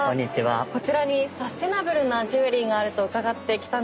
こちらにサスティナブルなジュエリーがあると伺って来たんですけれども。